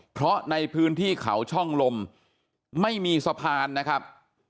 เพราะในพื้นที่เขาช่องลมไม่มีสะพานนะครับ